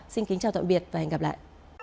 xin kính chào tạm biệt và hẹn gặp lại